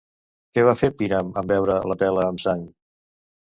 Què va fer Píram en veure la tela amb sang?